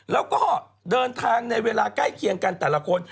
แล้วก็เดินทางในเวลาใกล้เคียงกันแต่ละคน